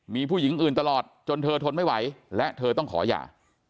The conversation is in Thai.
มีผู้หญิงอื่นตลอดจนเธอทนไม่ไหวและเธอต้องขอหย่า